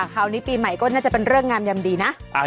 คราวนี้ปีใหม่ก็น่าจะเป็นเรื่องงามยำดีนะ